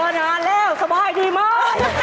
ไม่ได้เจอนานแล้วสบายดีมาก